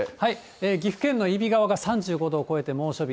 岐阜県の揖斐川が３５度を超えて猛暑日。